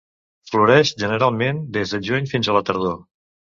Floreix generalment des de juny fins a la tardor.